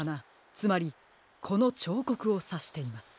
つまりこのちょうこくをさしています。